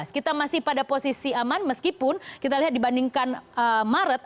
kita masih pada posisi aman meskipun kita lihat dibandingkan maret